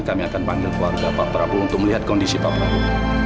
kami akan panggil keluarga pak prabowo untuk melihat kondisi pak prabowo